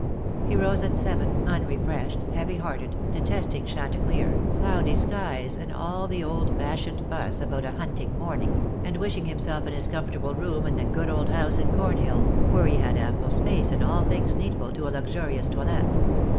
He rose at seven, unrefreshed, heavy hearted, detesting chanticleer, cloudy skies, and all the old fashioned fuss about a hunting morning, and wishing himself in his comfortable room in the good old house in Cornhill, where he had ample space and all things needful to a luxurious toilet.